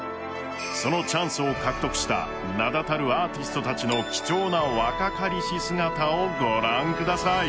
そのチャンスを獲得した名だたるアーティストたちの貴重な若かりし姿をご覧ください。